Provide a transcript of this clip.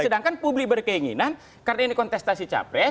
sedangkan publik berkeinginan karena ini kontestasi capres